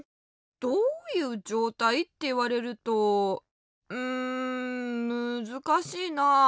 どういうじょうたいっていわれるとうんむずかしいなあ。